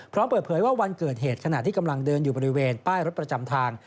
พร้อมเปิดเผยว่าวันเกิดเหตุขณะที่กำลังเดินอยู่บริเวณป้ายรถประจำทาง